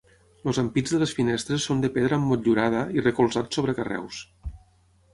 Els ampits de les finestres són de pedra emmotllurada i recolzats sobre carreus.